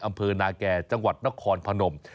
อำเภอนาแก่จังหวัดนครพนม